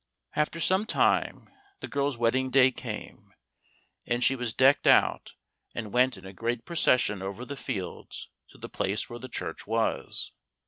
After some time the girl's wedding day came, and she was decked out, and went in a great procession over the fields to the place where the church was.